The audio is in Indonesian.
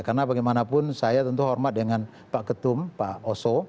karena bagaimanapun saya tentu hormat dengan pak ketum pak oso